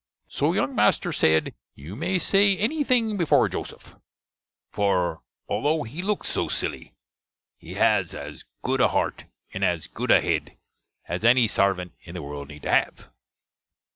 So young master sed, You may say any thing before Joseph; for, althoff he looks so seelie, he has as good a harte, and as good a hedd, as any sarvante in the world need to have.